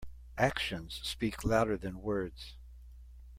Actions speak louder than words.